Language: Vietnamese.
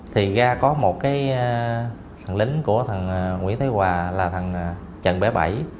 thì ra có một thằng lính của thằng nguyễn thái hòa là thằng trần bé bảy